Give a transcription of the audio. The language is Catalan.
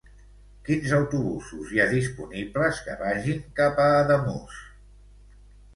Quins autobusos hi ha disponibles que vagin cap a Ademús?